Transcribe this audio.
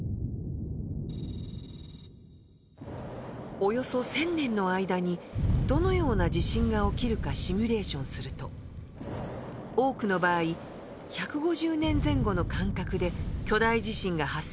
およそ１，０００年の間にどのような地震が起きるかシミュレーションすると多くの場合１５０年前後の間隔で巨大地震が発生する結果となりました。